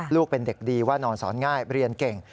เป็นเด็กดีว่านอนสอนง่ายเรียนเก่ง